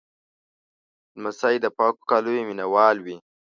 لمسی د پاکو کالیو مینهوال وي.